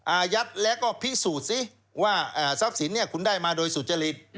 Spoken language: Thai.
อายัดแล้วก็พิสูจน์สิว่าทรัพย์สินคุณได้มาโดยสุจริต